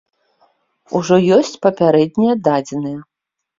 Ужо ёсць папярэднія дадзеныя.